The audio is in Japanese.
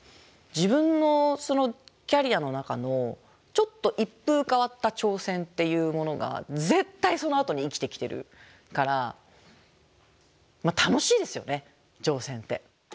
自分のキャリアの中のちょっと一風変わった挑戦っていうものが絶対そのあとに生きてきてるから楽しいですよね挑戦って。